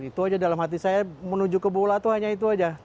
itu aja dalam hati saya menuju ke bola itu hanya itu aja